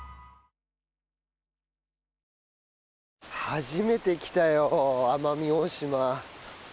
初めて来たよ奄美大島。